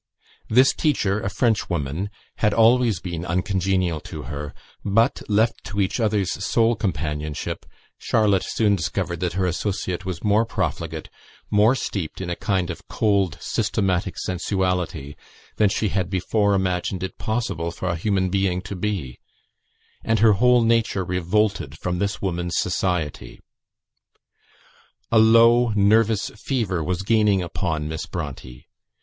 This teacher, a Frenchwoman, had always been uncongenial to her; but, left to each other's sole companionship, Charlotte soon discovered that her associate was more profligate, more steeped in a kind of cold, systematic sensuality, than she had before imagined it possible for a human being to be; and her whole nature revolted from this woman's society. A low nervous fever was gaining upon Miss Bronte.